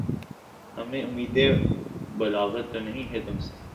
ہمیں اُمیدِ بلاغت تو نہیں ہے تُم سے